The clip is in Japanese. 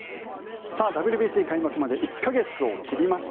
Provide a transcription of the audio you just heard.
ＷＢＣ開幕まで１か月を切りました。